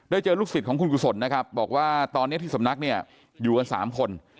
เจอลูกศิษย์ของคุณกุศลนะครับบอกว่าตอนนี้ที่สำนักเนี่ยอยู่กัน๓คน